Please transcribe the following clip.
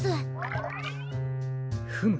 フム。